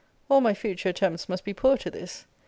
All my future attempts must be poor to this.